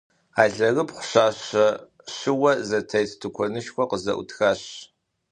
Алэрыбгъу щащэ, щыуэ зэтет тыкуэнышхуэ къызэӏутхащ.